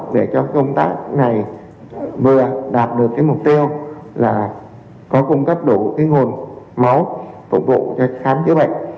để cho công tác này vừa đạt được mục tiêu là có cung cấp đủ nguồn máu phục vụ cho khám chữa bệnh